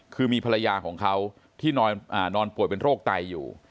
คือมีภรรยาของเขาที่นอนป่วยเป็นโรคไตอยู่